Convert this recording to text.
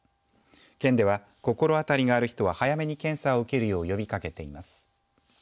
県では心当たりがある人は早めに検査を受けるよう呼びかけています。